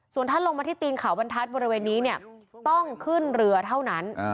ส่วนถ้าลงมาที่ตีนเขาบรรทัศน์บริเวณนี้เนี่ยต้องขึ้นเรือเท่านั้น